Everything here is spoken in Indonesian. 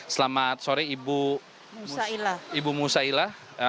selamat sore ibu musaila